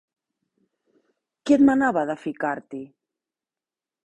Qui et manava de ficar-t'hi?